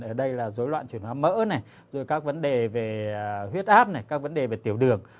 ở đây là dối loạn chuyển hóa mỡ này rồi các vấn đề về huyết áp này các vấn đề về tiểu đường